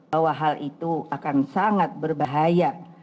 bahwa hal itu akan sangat berbahaya